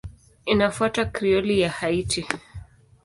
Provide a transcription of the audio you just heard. Inafuata Krioli ya Haiti.